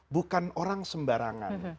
bukan orang sembarangan